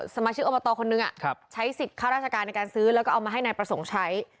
สมาชิกอบตคนนึงใช้สิทธิ์ค่าราชการในการซื้อแล้วก็เอามาให้นายประสงค์ใช้